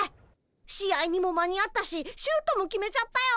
試合にも間に合ったしシュートも決めちゃったよ。